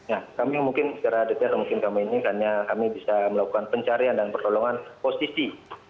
ya kami mungkin secara detail mungkin kami ini karena kami bisa melakukan pencarian dan pertolongan posisi